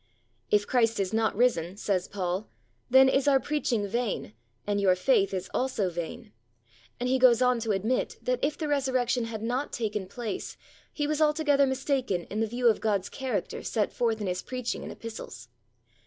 "If Christ is not risen," says Paul, "then is our preaching vain, and your faith is also vain," and he goes on to admit that if the Resurrection had not taken place, he was altogether mistaken in the view of God's character set forth in his preaching and epistles.